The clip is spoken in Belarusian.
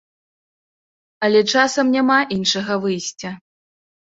Але часам няма іншага выйсця.